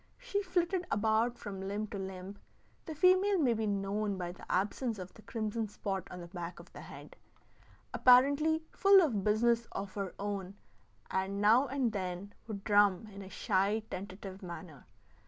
She flitted about from limb to limb (the female may be known by the absence of the crimson spot on the back of the head), apparently full of business of her own, and now and then would drum in a shy, tentative manner.